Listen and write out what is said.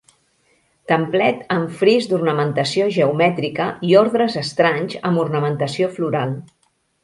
Templet amb fris d'ornamentació geomètrica i ordres estranys amb ornamentació floral.